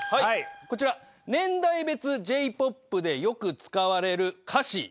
こちら年代別Ｊ−ＰＯＰでよく使われる歌詞。